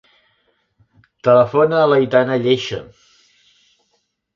Telefona a l'Aitana Lleixa.